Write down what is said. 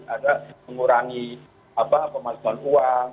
ada mengurangi apa pemasukan uang